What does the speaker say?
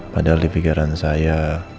padahal di pikiran saya